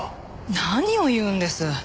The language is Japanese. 何を言うんです？